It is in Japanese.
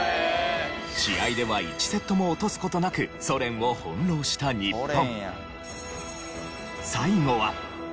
試合では１セットも落とす事なくソ連を翻弄した日本。